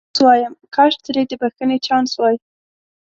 اوس وایم کاش ترې د بخښنې چانس وای.